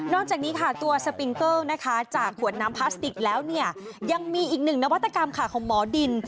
นอกจากนี้ค่ะตัวสปิงเกอร์จากขวดน้ำพลาสติกแล้วยังมีอีกหนึ่งนวัตกรรมของโหมดิน